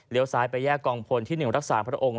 ซ้ายไปแยกกองพลที่๑รักษาพระองค์